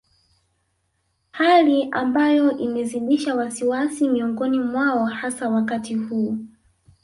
Hali ambayo imezidisha wasiwasi miongoni mwao hasa wakati huu